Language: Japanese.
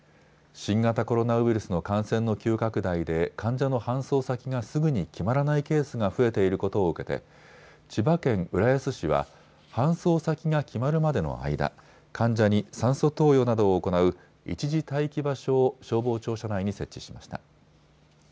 新型コロナウイルスの感染の急拡大で患者の搬送先がすぐに決まらないケースが増えていることを受けて千葉県浦安市は搬送先が決まるまでの間、患者に酸素投与などを行う一時待機場所を消防庁舎内に設置しました。